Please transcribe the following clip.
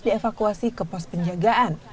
dievakuasi ke pos penjagaan